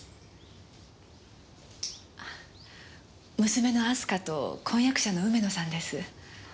娘の明日香と婚約者の梅野さんです。